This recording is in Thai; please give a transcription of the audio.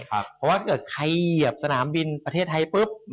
เพราะว่าเกิดใครเหยียบสนามบินประเทศไทยปุ๊บ